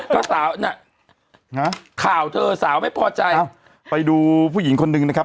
ก็สาวน่ะข่าวเธอสาวไม่พอใจไปดูผู้หญิงคนหนึ่งนะครับ